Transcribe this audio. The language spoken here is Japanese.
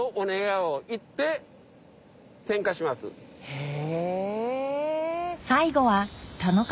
へぇ。